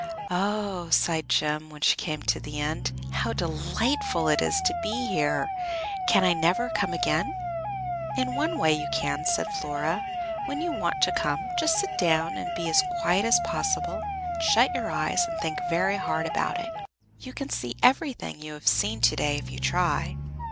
"Oh!" sighed Jem, when she came to the end. "How delightful it is to be here! Can I never come again?" "In one way you can," said Flora. "When you want to come, just sit down and be as quiet as possible, and shut your eyes and think very hard about it. You can see everything you have seen to day, if you try."